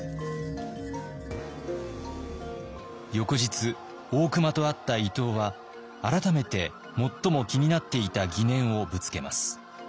翌日大隈と会った伊藤は改めて最も気になっていた疑念をぶつけます。